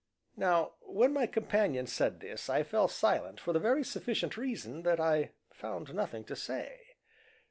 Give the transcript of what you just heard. Now when my companion said this I fell silent, for the very sufficient reason that I found nothing to say.